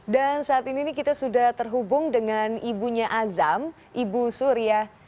dan saat ini kita sudah terhubung dengan ibunya azam ibu surya